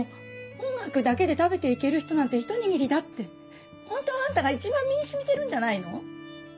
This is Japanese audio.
音楽だけで食べていける人なんてひと握りだってホントはあんたが一番身に染みてるんじゃないの？